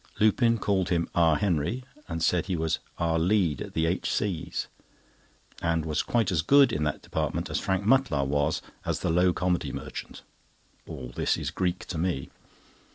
Lupin called him "our Henry," and said he was "our lead at the H.C.'s," and was quite as good in that department as Harry Mutlar was as the low comedy merchant. All this is Greek to me.